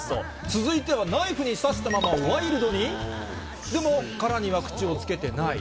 続いてはナイフに刺したまま、ワイルドに、でも、殻には口をつけてない。